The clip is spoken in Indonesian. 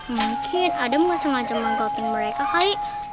mungkin adem gak sengaja manggapin mereka kaya